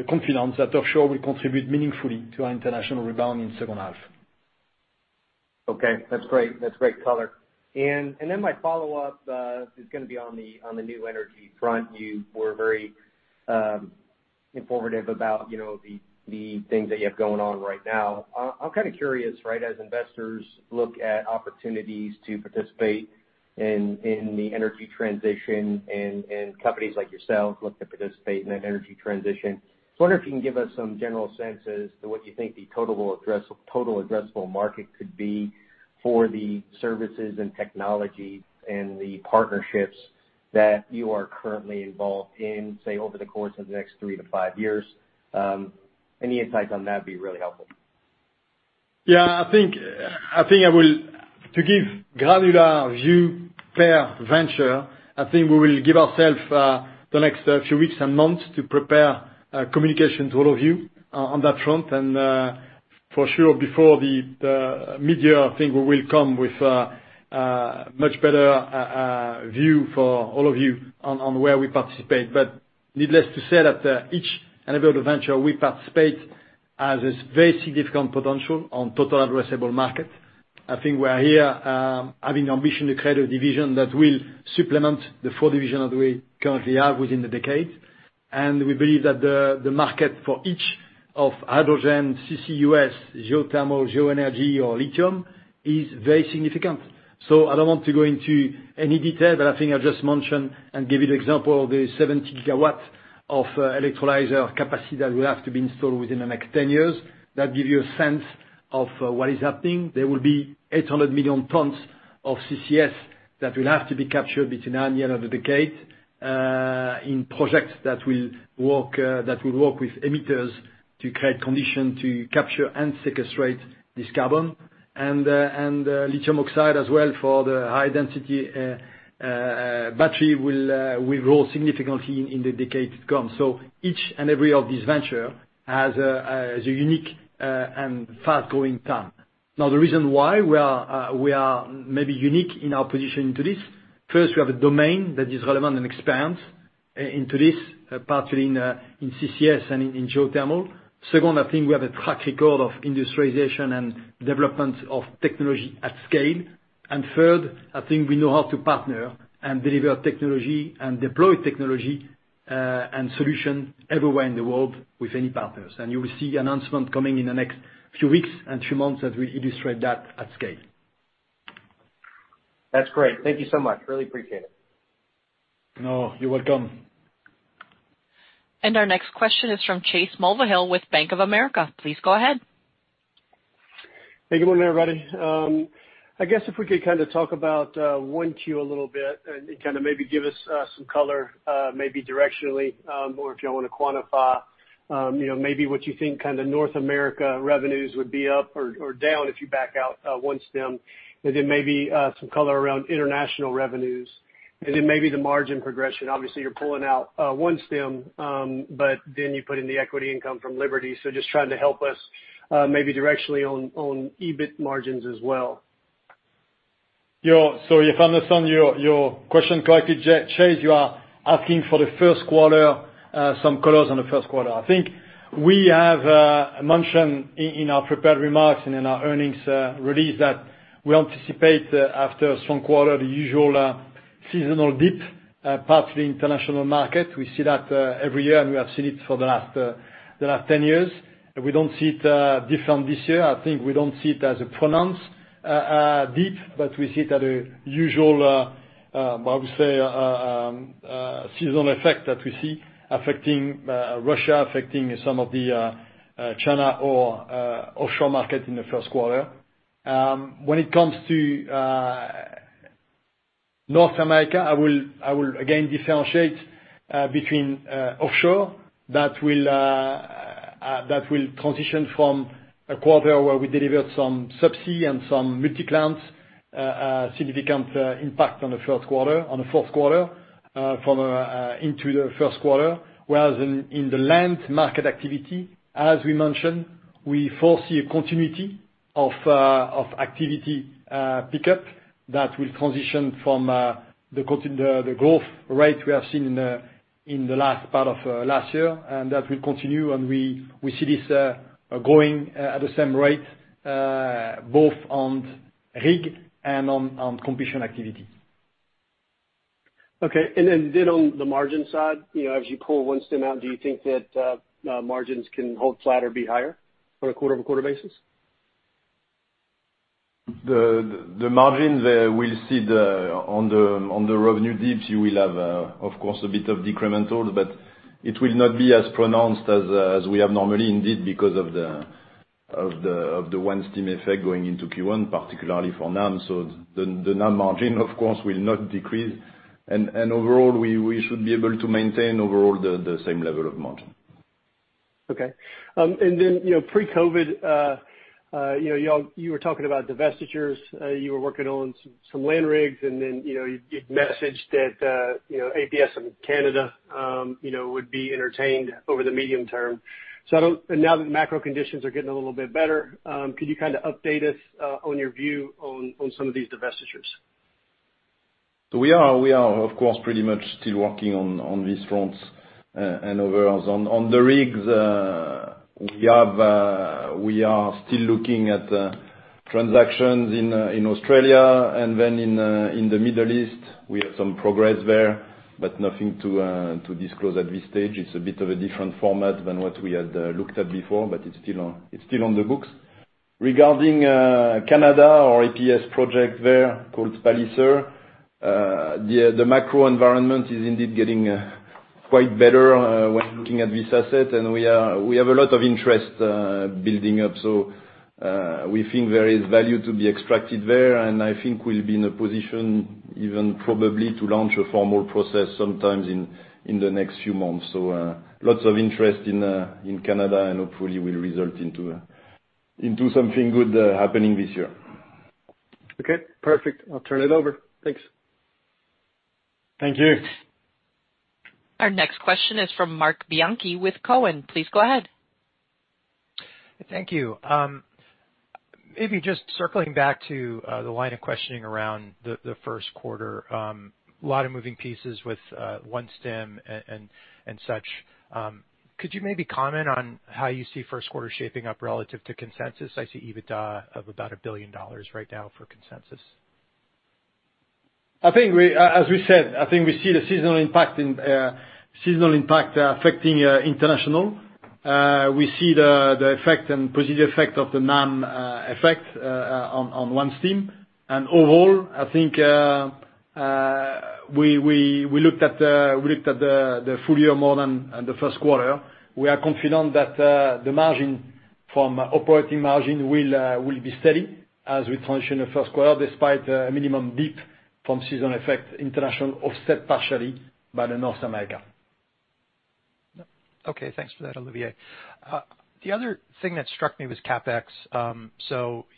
confidence that offshore will contribute meaningfully to our international rebound in second half. Okay. That's great color. My follow-up is going to be on the new energy front. You were very informative about the things that you have going on right now. I'm kind of curious, right? As investors look at opportunities to participate in the energy transition and companies like yourselves look to participate in that energy transition. I was wondering if you can give us some general sense as to what you think the total addressable market could be for the services and technology and the partnerships that you are currently involved in, say, over the course of the next three to five years. Any insights on that would be really helpful. Yeah. I think I will, to give granular view per venture, I think we will give ourself the next few weeks and months to prepare communication to all of you on that front. For sure before the mid-year, I think we will come with a much better view for all of you on where we participate. Needless to say that each and every venture we participate has a very significant potential on total addressable market. I think we are here having ambition to create a division that will supplement the four division that we currently have within the decade. We believe that the market for each of hydrogen, CCUS, geothermal, geoenergy or lithium is very significant. I don't want to go into any detail, but I think I just mentioned and give you the example of the 70 GW of electrolyzer capacity that will have to be installed within the next 10 years. That give you a sense of what is happening. There will be 800 million tons of CCS that will have to be captured between now and the end of the decade, in projects that will work with emitters to create condition to capture and sequestrate this carbon. Lithium-ion as well for the high-density battery will grow significantly in the decade to come. Each and every of these venture has a unique and fast-growing TAM. Now, the reason why we are maybe unique in our position to this, first, we have a domain that is relevant and expands into this, partially in CCS and in geothermal. Second, I think we have a track record of industrialization and development of technology at scale. Third, I think we know how to partner and deliver technology and deploy technology, and solution everywhere in the world with any partners. You will see announcement coming in the next few weeks and few months that will illustrate that at scale. That's great. Thank you so much. Really appreciate it. No, you're welcome. Our next question is from Chase Mulvehill with Bank of America. Please go ahead. Hey, good morning, everybody. I guess if we could kind of talk about 1Q a little bit and kind of maybe give us some color, maybe directionally, or if you don't want to quantify, maybe what you think kind of North America revenues would be up or down if you back out OneStim. Then maybe some color around international revenues. Then maybe the margin progression. Obviously, you're pulling out OneStim, but then you put in the equity income from Liberty. Just trying to help us maybe directionally on EBIT margins as well. If I understand your question correctly, Chase, you are asking for the first quarter, some colors on the first quarter. I think we have mentioned in our prepared remarks and in our earnings release that we anticipate, after a strong quarter, the usual seasonal dip, partly international market. We see that every year, and we have seen it for the last 10 years. We don't see it different this year. I think we don't see it as a pronounced dip, but we see it at a usual, how to say, seasonal effect that we see affecting Russia, affecting some of the China or offshore market in the first quarter. When it comes to North America, I will again differentiate between offshore that will transition from a quarter where we delivered some subsea and some multi-client. A significant impact on the fourth quarter into the first quarter, whereas in the land market activity, as we mentioned, we foresee a continuity of activity pickup that will transition from the growth rate we have seen in the last part of last year, and that will continue, and we see this growing at the same rate both on rig and on completion activity. Okay. Then on the margin side, as you pull OneStim out, do you think that margins can hold flat or be higher on a quarter-over-quarter basis? The margin there, we'll see on the revenue dips, you will have, of course, a bit of decremental, but it will not be as pronounced as we have normally, indeed, because of the OneStim effect going into Q1, particularly for NAM. The NAM margin, of course, will not decrease. Overall, we should be able to maintain overall the same level of margin. Okay. Pre-COVID, you were talking about divestitures. You were working on some land rigs, and then you messaged that APS and Canada would be entertained over the medium term. Now that the macro conditions are getting a little bit better, could you kind of update us on your view on some of these divestitures? We are, of course, pretty much still working on these fronts and overall. On the rigs, we are still looking at transactions in Australia and then in the Middle East. We have some progress there, but nothing to disclose at this stage. It's a bit of a different format than what we had looked at before, but it's still on the books. Regarding Canada, our APS project there, called Palliser, the macro environment is indeed getting quite better when looking at this asset, and we have a lot of interest building up. We think there is value to be extracted there, and I think we'll be in a position even probably to launch a formal process sometimes in the next few months. Lots of interest in Canada and hopefully will result into something good happening this year. Okay, perfect. I'll turn it over. Thanks. Thank you. Our next question is from Marc Bianchi with Cowen. Please go ahead. Thank you. Maybe just circling back to the line of questioning around the first quarter. Lot of moving pieces with OneStim and such. Could you maybe comment on how you see first quarter shaping up relative to consensus? I see EBITDA of about $1 billion right now for consensus. As we said, I think we see the seasonal impact affecting international. We see the positive effect of the NAM effect on OneStim. Overall, I think we looked at the full year more than the first quarter. We are confident that the margin from operating margin will be steady as we transition the first quarter, despite a minimum dip from seasonal effect international offset partially by the North America. Okay. Thanks for that, Olivier. The other thing that struck me was CapEx.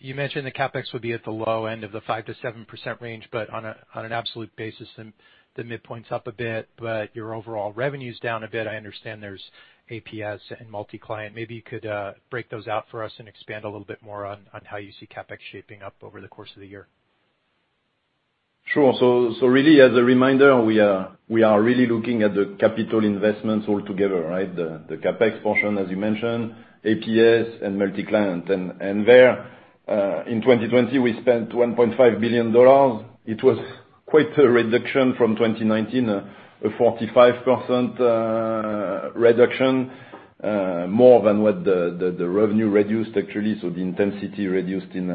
You mentioned the CapEx would be at the low end of the 5%-7% range, but on an absolute basis, and the midpoint's up a bit, but your overall revenue's down a bit. I understand there's APS and multi-client. Maybe you could break those out for us and expand a little bit more on how you see CapEx shaping up over the course of the year. Sure. Really, as a reminder, we are really looking at the capital investments all together, right? The CapEx portion, as you mentioned, APS and multi-client. There, in 2020, we spent $1.5 billion. It was quite a reduction from 2019, a 45% reduction, more than what the revenue reduced, actually. The intensity reduced in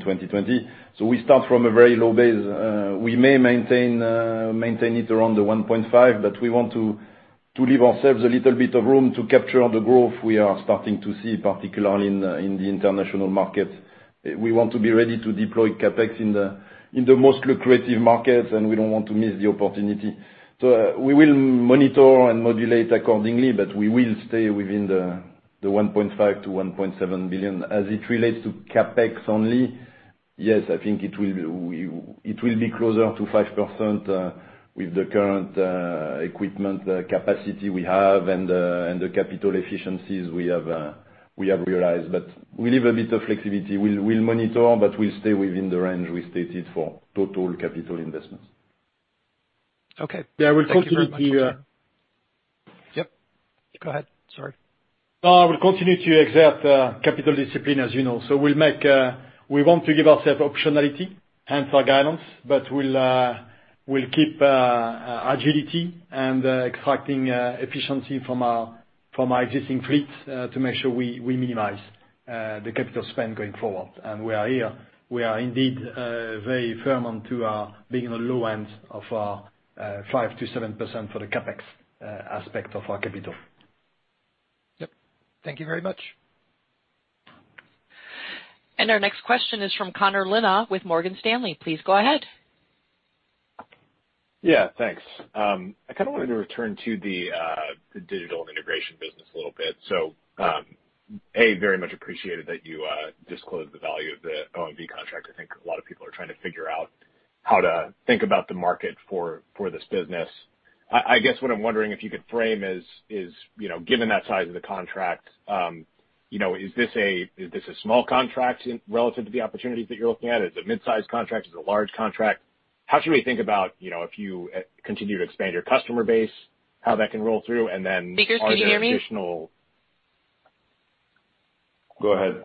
2020. We start from a very low base. We may maintain it around the $1.5 billion, but we want to leave ourselves a little bit of room to capture the growth we are starting to see, particularly in the international market. We want to be ready to deploy CapEx in the most lucrative markets, and we don't want to miss the opportunity. We will monitor and modulate accordingly, but we will stay within the $1.5 billion-$1.7 billion. As it relates to CapEx only, yes, I think it will be closer to 5% with the current equipment capacity we have and the capital efficiencies we have realized. We leave a bit of flexibility. We'll monitor, but we'll stay within the range we stated for total capital investments. Okay. Thank you very much. Yeah, we'll continue. Yep. Go ahead. Sorry. No, we'll continue to exert capital discipline, as you know. We want to give ourselves optionality hence our guidance, but we'll keep agility and extracting efficiency from our existing fleets to make sure we minimize the capital spend going forward. We are indeed very firm onto being on the low end of 5%-7% for the CapEx aspect of our capital. Yep. Thank you very much. Our next question is from Connor Lynagh with Morgan Stanley. Please go ahead. Yeah, thanks. I wanted to return to the Digital & Integration business a little bit. A, very much appreciated that you disclosed the value of the OMV contract. I think a lot of people are trying to figure out how to think about the market for this business. I guess what I'm wondering if you could frame is, given that size of the contract, is this a small contract relative to the opportunities that you're looking at? Is it a mid-size contract? Is it a large contract? How should we think about if you continue to expand your customer base, how that can roll through, are there additional- Go ahead.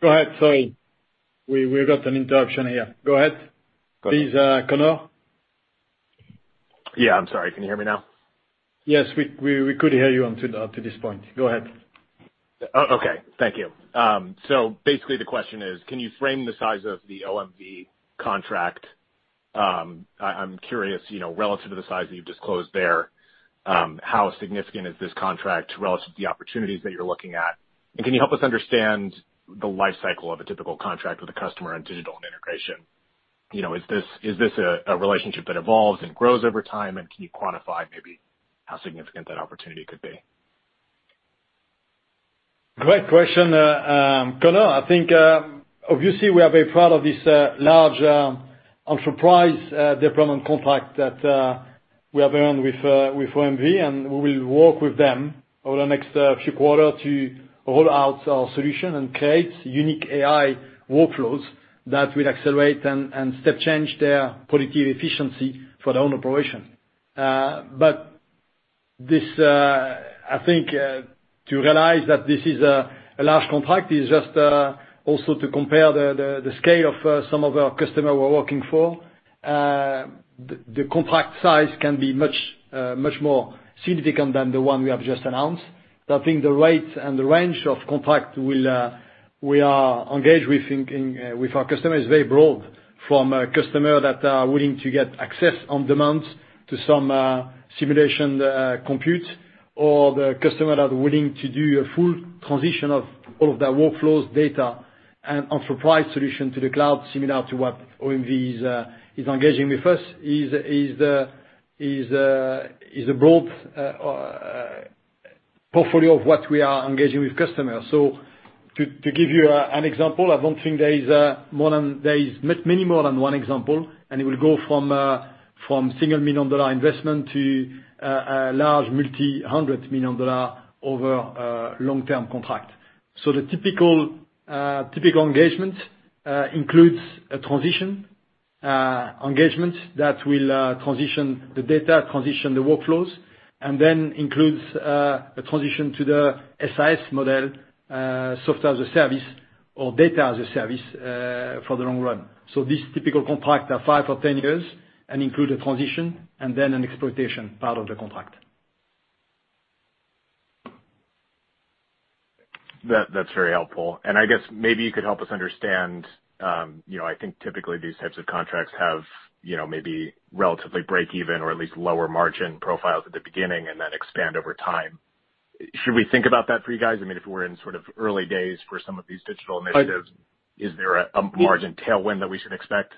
Go ahead. Sorry. We got an interruption here. Go ahead, please, Connor. Yeah. I'm sorry. Can you hear me now? Yes. We could hear you up to this point. Go ahead. Okay. Thank you. The question is, can you frame the size of the OMV contract? I'm curious, relative to the size that you've disclosed there, how significant is this contract relative to the opportunities that you're looking at? Can you help us understand the life cycle of a typical contract with a customer in Digital & Integration? Is this a relationship that evolves and grows over time? Can you quantify maybe how significant that opportunity could be? Great question, Connor. I think, obviously, we are very proud of this large enterprise deployment contract that we have earned with OMV, and we will work with them over the next few quarter to roll out our solution and create unique AI workflows that will accelerate and step change their productivity efficiency for their own operation. I think to realize that this is a large contract is just also to compare the scale of some of our customer we're working for. The contract size can be much more significant than the one we have just announced. I think the rate and the range of contract we are engaged with our customers is very broad. From a customer that are willing to get access on demand to some simulation compute, or the customer that are willing to do a full transition of all of their workflows data and enterprise solution to the cloud, similar to what OMV is engaging with us, is a broad portfolio of what we are engaging with customers. To give you an example, I don't think there is many more than one example, and it will go from single million dollar investment to a large multi-hundred million dollar over a long-term contract. The typical engagement includes a transition engagement that will transition the data, transition the workflows, and then includes a transition to the SaaS model, software as a service or data as a service, for the long run. This typical contract are five or 10 years and include a transition and then an exploitation part of the contract. That's very helpful. I guess maybe you could help us understand, I think typically these types of contracts have maybe relatively break-even or at least lower margin profiles at the beginning and then expand over time. Should we think about that for you guys? If we're in sort of early days for some of these digital initiatives, is there a margin tailwind that we should expect?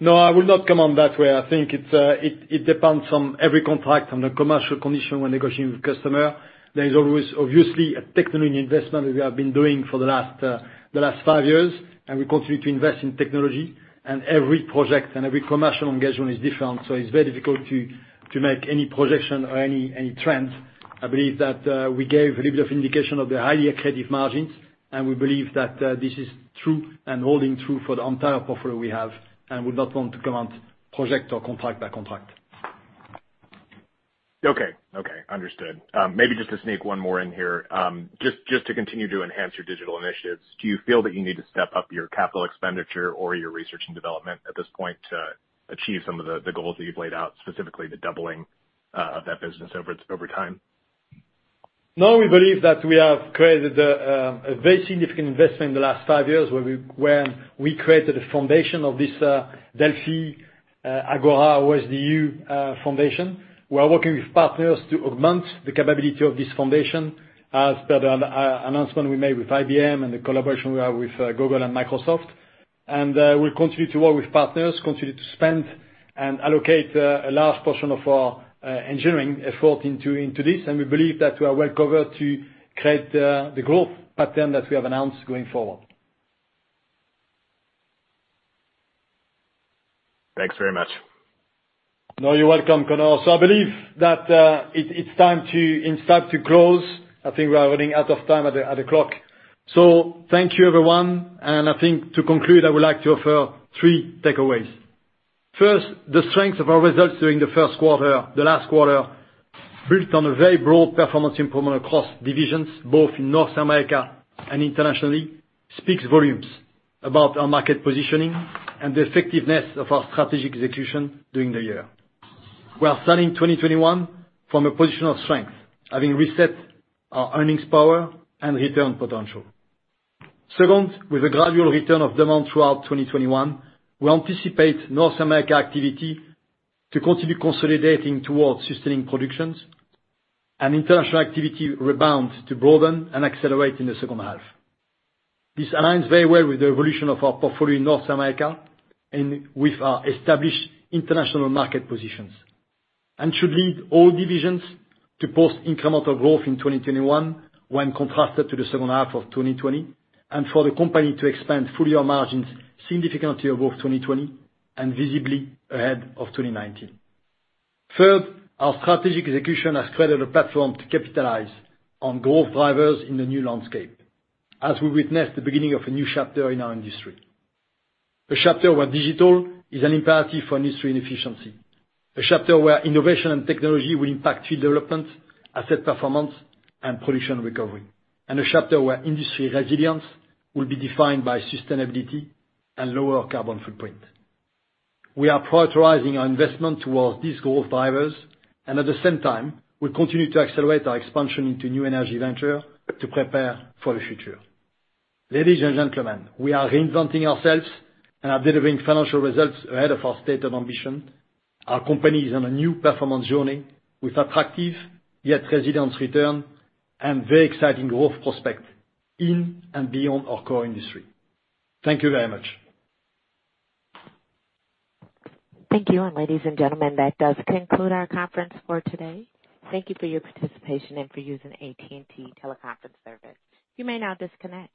No, I will not comment that way. I think it depends on every contract, on the commercial condition when negotiating with customer. There is always obviously a technology investment that we have been doing for the last five years, and we continue to invest in technology. Every project and every commercial engagement is different, so it is very difficult to make any projection or any trends. I believe that we gave a little bit of indication of the highly accretive margins, and we believe that this is true and holding true for the entire portfolio we have, and would not want to comment project or contract by contract. Okay. Understood. Maybe just to sneak one more in here. Just to continue to enhance your digital initiatives, do you feel that you need to step up your capital expenditure or your research and development at this point to achieve some of the goals that you've laid out, specifically the doubling of that business over time? No. We believe that we have created a very significant investment in the last five years, when we created a foundation of this DELFI Agora OSDU foundation. We are working with partners to augment the capability of this foundation, as per the announcement we made with IBM and the collaboration we have with Google and Microsoft. We'll continue to work with partners, continue to spend and allocate a large portion of our engineering effort into this, and we believe that we are well covered to create the growth pattern that we have announced going forward. Thanks very much. No, you're welcome, Connor. I believe that it's time to close. Thank you, everyone. I think to conclude, I would like to offer three takeaways. First, the strength of our results during the first quarter, the last quarter, built on a very broad performance improvement across divisions, both in North America and internationally, speaks volumes about our market positioning and the effectiveness of our strategic execution during the year. We are starting 2021 from a position of strength, having reset our earnings power and return potential. Second, with a gradual return of demand throughout 2021, we anticipate North America activity to continue consolidating towards sustaining productions and international activity rebound to broaden and accelerate in the second half. This aligns very well with the evolution of our portfolio in North America and with our established international market positions, should lead all divisions to post incremental growth in 2021 when contrasted to the second half of 2020, for the company to expand full-year margins significantly above 2020 and visibly ahead of 2019. Third, our strategic execution has created a platform to capitalize on growth drivers in the new landscape as we witness the beginning of a new chapter in our industry. A chapter where digital is an imperative for industry and efficiency. A chapter where innovation and technology will impact field development, asset performance, and production recovery. A chapter where industry resilience will be defined by sustainability and lower carbon footprint. We are prioritizing our investment towards these growth drivers. At the same time, we continue to accelerate our expansion into new energy venture to prepare for the future. Ladies and gentlemen, we are reinventing ourselves and are delivering financial results ahead of our stated ambition. Our company is on a new performance journey with attractive yet resilient return and very exciting growth prospect in and beyond our core industry. Thank you very much. Thank you. Ladies and gentlemen, that does conclude our conference for today. Thank you for your participation and for using AT&T teleconference service. You may now disconnect.